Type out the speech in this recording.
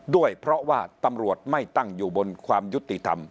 ด้วยเพราะว่าตำรวจไม่ตั้งอยู่บนความยุติธรรม